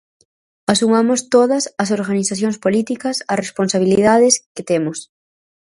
Asumamos todas as organizacións políticas as responsabilidades que temos.